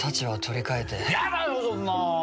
やだよ、そんなあ！